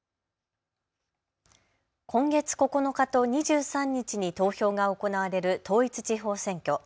今月９日と２３日に投票が行われる統一地方選挙。